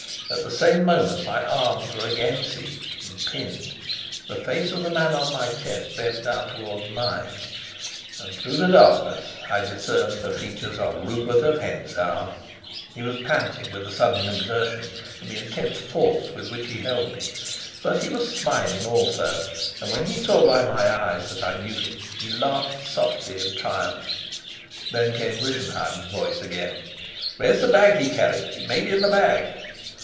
At the same moment my arms were again seized and pinned. The face of the man on my chest bent down towards mine, and through the darkness I discerned the features of Rupert of Hentzau. He was panting with the sudden exertion and the intense force with which he held me, but he was smiling also; and when he saw by my eyes that I knew him, he laughed softly in triumph. Then came Rischenheim's voice again. "Where's the bag he carried? It may be in the bag."